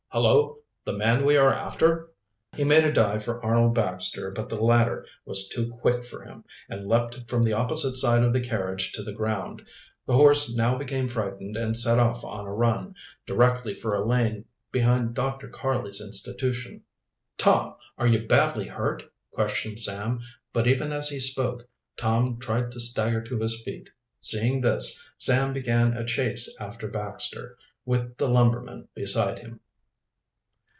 "Hullo! the man we are after." He made a dive for Arnold Baxter, but the latter was too quick for him, and leaped from the opposite side of the carriage to the ground. The horse now became frightened and set off on a run, directly for a lane behind Dr. Karley's institution. "Tom, are you badly hurt?" questioned Sam, but, even as he spoke, Tom tried to stagger to his feet. Seeing this, Sam began a chase after Baxter, with the lumberman beside him.